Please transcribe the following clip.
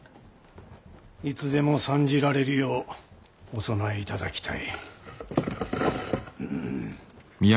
いつでも参じられるようお備えいただきたい。